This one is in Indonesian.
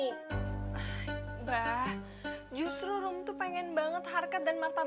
mbah justru rum tuh pengen banget harga dan harga abah lo